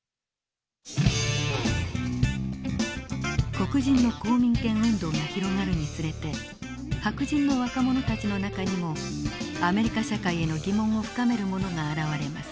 黒人の公民権運動が広がるにつれて白人の若者たちの中にもアメリカ社会への疑問を深める者が現れます。